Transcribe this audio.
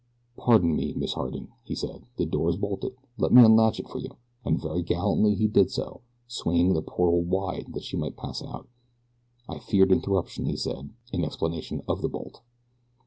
"Pardon me, Miss Harding," he said; "the door is bolted let me unlatch it for you," and very gallantly he did so, swinging the portal wide that she might pass out. "I feared interruption," he said, in explanation of the bolt.